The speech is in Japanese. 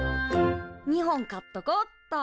２本買っとこうっと！